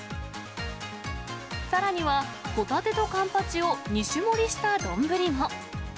さらにはホタテとカンパチを２種盛りした丼も。